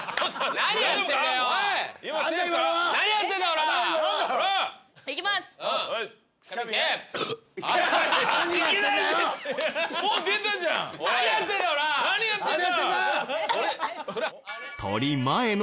何やってんだ！